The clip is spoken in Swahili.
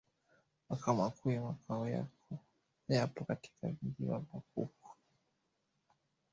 Makao Makuu ya Mkoa yapo katika mji wa Bukoba